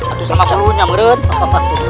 aduh sama sama punya menurut